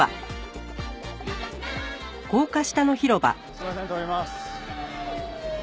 すいません通ります。